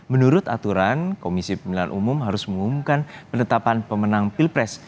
menurut aturan komisi pemilihan umum harus mengumumkan penetapan pemenang pilpres